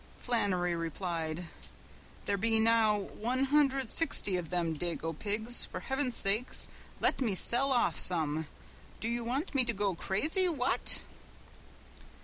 Flannery replied: "There be now one hundred sixty of them dago pigs, for heavens sake let me sell off some, do you want me to go crazy, what."